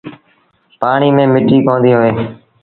پآڻي ميݩ مٽيٚ ڪونديٚ هوئي۔